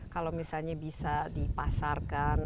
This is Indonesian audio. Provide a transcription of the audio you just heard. kalau misalnya bisa dipasarkan